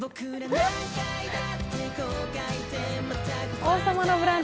「王様のブランチ」